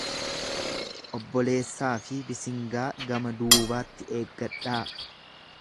Obboleessaafi bisingaa gama duubaatti eeggadhaa.